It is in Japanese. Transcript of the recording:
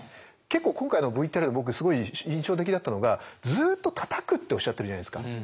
結構今回のＶＴＲで僕すごい印象的だったのがずっとたたくっておっしゃってるじゃないですか。